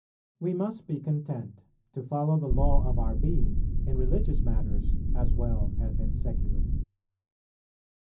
We must be content to follow the law of our being in religious matters as well as in secular.